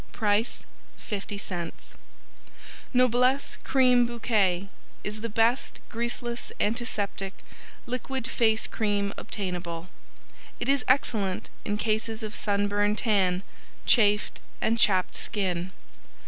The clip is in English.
Price 50c Noblesse Cream Bouquet is the best Greaseless, Antiseptic, Liquid Face Cream obtainable; it is excellent in cases of Sunburn Tan, Chafed and Chapped Skin.